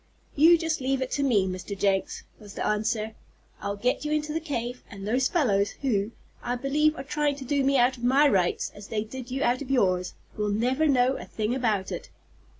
"You just leave it to me, Mr. Jenks," was the answer. "I'll get you into the cave, and those fellows, who, I believe, are trying to do me out of my rights, as they did you out of yours, will never know a thing about it."